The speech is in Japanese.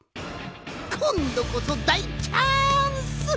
こんどこそだいチャンス！